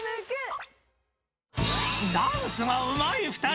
［ダンスもうまい２人。